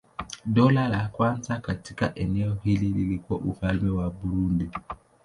Dola la kwanza katika eneo hili lilikuwa Ufalme wa Burundi.